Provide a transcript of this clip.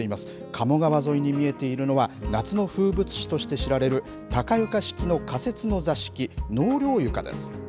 鴨川沿いに見えているのは夏の風物詩として知られる、高床式の仮設の座敷、納涼床です。